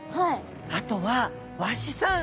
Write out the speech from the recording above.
あとはワシさん